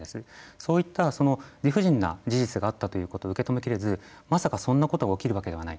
そういった理不尽な事実があったということを受け止め切れずまさかそんなことが起きるわけではない。